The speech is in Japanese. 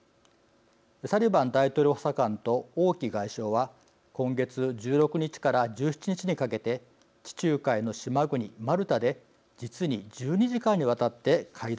サリバン大統領補佐官と王毅外相は今月１６日から１７日にかけて地中海の島国マルタで実に１２時間にわたって会談しました。